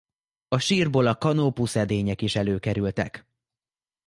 A sírból a kanópuszedények is előkerültek.